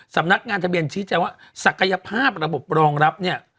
สำนักงานทะเบียนชี้แจงว่าศักยภาพระบบรองรับเนี่ย